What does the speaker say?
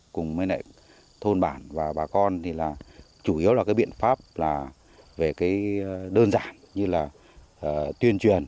cùng với thôn bản và bà con thì là chủ yếu là cái biện pháp là về cái đơn giản như là tuyên truyền